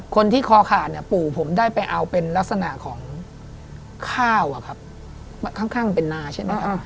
คนที่คอขาดปู่ผมได้ไปเอาเป็นลักษณะของข้าวครับค่อนข้างเป็นหน้าใช่ไหมครับ